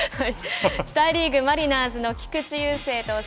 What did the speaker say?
大リーグ、マリナーズの菊池雄星投手。